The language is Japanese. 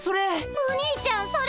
お兄ちゃんそれ！